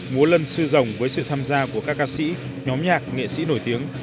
múa lân sư rồng với sự tham gia của các ca sĩ nhóm nhạc nghệ sĩ nổi tiếng